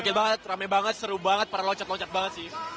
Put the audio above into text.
oke banget rame banget seru banget para loncat loncat banget sih